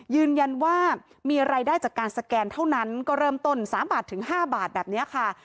ยืนยันว่ามีรายได้จากการสแกนเท่านั้นก็เริ่มต้น๓บาทถึง๕บาทแบบนี้ค่ะ